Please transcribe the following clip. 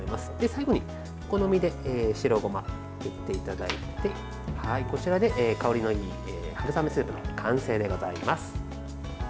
最後に、お好みで白ごまを振っていただいてこちらで香りのいい春雨スープの完成でございます。